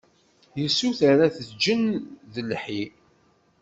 Yessuter ad t-ǧǧen d lḥi.